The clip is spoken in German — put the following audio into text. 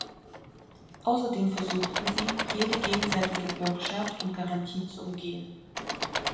Außerdem versuchten sie, jede gegenseitige Bürgschaft und Garantie zu umgehen.